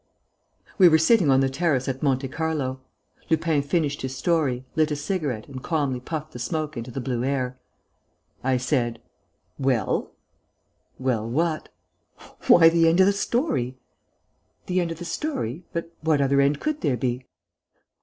We were sitting on the terrace at Monte Carlo. Lupin finished his story, lit a cigarette and calmly puffed the smoke into the blue air. I said: "Well?" "Well what?" "Why, the end of the story...." "The end of the story? But what other end could there be?"